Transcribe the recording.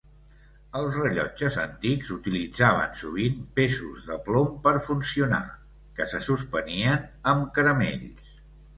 Els rellotges antics utilitzaven sovint pesos de plom per funcionar, que se suspenien amb caramells.